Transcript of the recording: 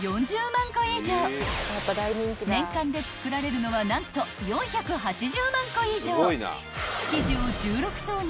［年間で作られるのは何と４８０万個以上］